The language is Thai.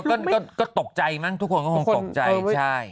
ก็ตกใจมั้งทุกคนก็คงตกใจใช่